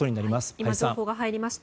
今、情報が入りました。